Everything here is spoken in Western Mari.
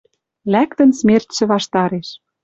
Лӓктӹн смертьшӹ ваштареш.